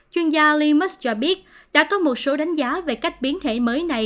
chuyên gia lee musk cho biết đã có một số đánh giá về cách biến thể mới này